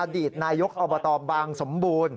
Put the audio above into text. อดีตนายกอบตบางสมบูรณ์